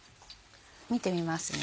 見てみますね。